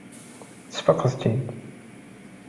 Tesfaqeḍ-t-id.